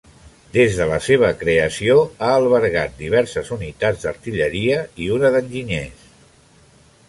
Des de la seva creació ha albergat diverses unitats d'artilleria i una d'enginyers.